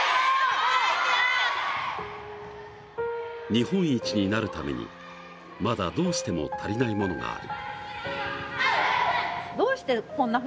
日本一になるためにまだ、どうしても足りないものがある。